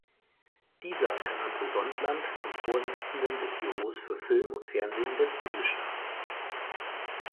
Dieser ernannte Sondland zum Vorsitzenden des Büros für Film und Fernsehen des Bundesstaats.